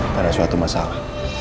karena suatu masalah